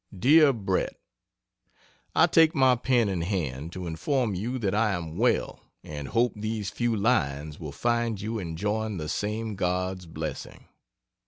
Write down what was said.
DEAR BRET, I take my pen in hand to inform you that I am well and hope these few lines will find you enjoying the same God's blessing.